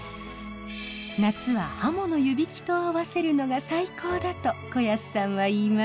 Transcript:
夏はハモの湯引きと合わせるのが最高だと子安さんは言います。